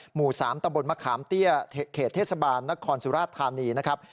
หมู่๓ตะบนมะขามเตี้ยเขตเทศบาลนครสุราชธานีนะครับ